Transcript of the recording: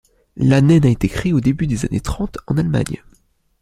La naine a été créée au début des années trente en Allemagne.